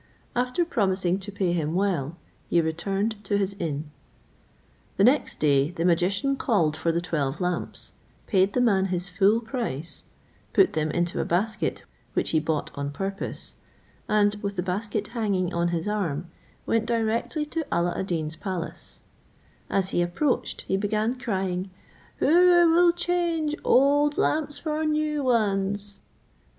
After promising to pay him well, he returned to his inn. The next day the magician called for the twelve lamps, paid the man his full price, put them into a basket which he bought on purpose, and with the basket hanging on his arm, went directly to Alla ad Deen's palace: as he approached he began crying, "Who will change old lamps for new ones?"